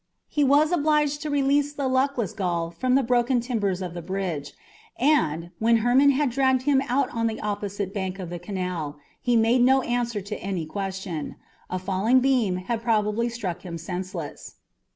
He was obliged to release the luckless Gaul from the broken timbers of the bridge, and, when Hermon had dragged him out on the opposite bank of the canal, he made no answer to any question. A falling beam had probably struck him senseless.